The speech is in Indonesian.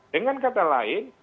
dengan kata lain